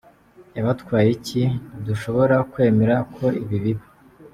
Yabatwaye iki? Ntidushobora kwemera ko ibi biba.